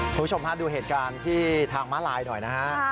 คุณผู้ชมฮะดูเหตุการณ์ที่ทางม้าลายหน่อยนะฮะ